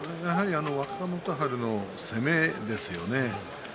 若元春の攻めですよね。